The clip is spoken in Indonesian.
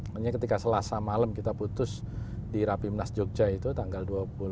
makanya ketika selasa malam kita putus di rapimnas jogja itu tanggal dua puluh